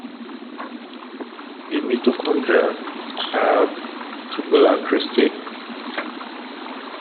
The mitochondria have tubular cristae.